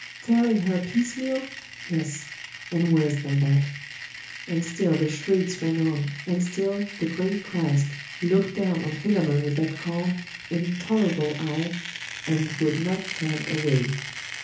Tearing her piecemeal? Yes, and worse than that. And still the shrieks rang on, and still the great Christ looked down on Philammon with that calm, intolerable eye, and would not turn away.